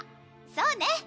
そうね。